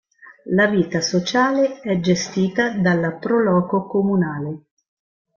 La vita sociale è gestita dalla pro-loco comunale.